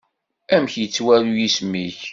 Amek yettwaru yisem-ik?